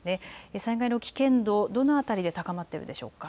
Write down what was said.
災害の危険度、どの辺りで高まっているでしょうか。